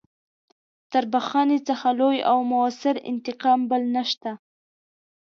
تر بخښنې څخه لوی او مؤثر انتقام بل نشته.